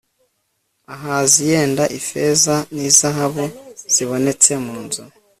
Ahazi yenda ifeza n izahabu zibonetse mu nzu